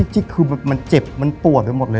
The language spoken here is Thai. จริงคือมันเจ็บมันปวดไปหมดเลย